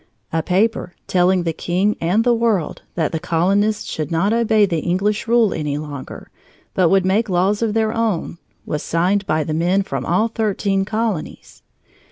A paper telling the king and the world that the colonists should not obey the English rule any longer, but would make laws of their own was signed by men from all thirteen colonies.